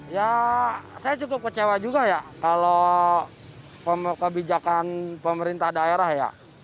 ya saya cukup kecewa juga ya kalau kebijakan pemerintah daerah ya